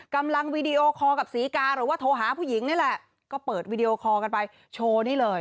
วีดีโอคอลกับศรีกาหรือว่าโทรหาผู้หญิงนี่แหละก็เปิดวีดีโอคอลกันไปโชว์นี่เลย